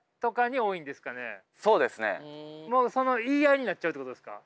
もうその言い合いになっちゃうってことですか？